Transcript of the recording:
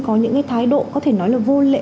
có những cái thái độ có thể nói là vô lễ